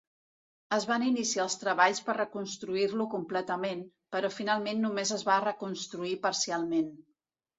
Es van iniciar els treballs per reconstruir-lo completament, però finalment només es va reconstruir parcialment.